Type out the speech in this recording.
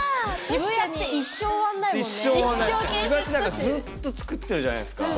渋谷って何かずっと作ってるじゃないですか。